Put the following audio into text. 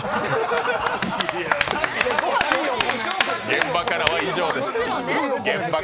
現場からは以上です。